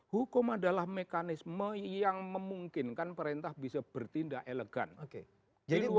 hukum adalah mekanisme yang memungkinkan pemerintah bisa bertindak elegan